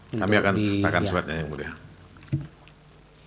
kami akan serahkan suratnya ya mulia